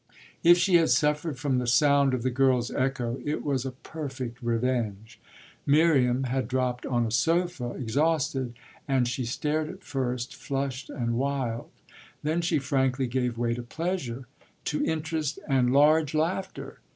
If she had suffered from the sound of the girl's echo it was a perfect revenge. Miriam had dropped on a sofa, exhausted, and she stared at first, flushed and wild; then she frankly gave way to pleasure, to interest and large laughter.